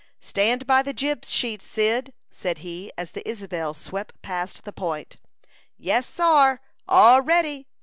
"Stand by the jib sheet, Cyd!" said he, as the Isabel swept past the point. "Yes, sar all ready!"